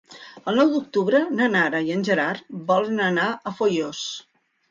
El nou d'octubre na Nara i en Gerard volen anar a Foios.